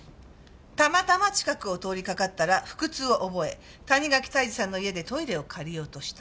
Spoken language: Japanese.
「たまたま近くを通りかかったら腹痛を覚え谷垣泰治さんの家でトイレを借りようとした」。